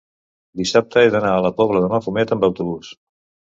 dissabte he d'anar a la Pobla de Mafumet amb autobús.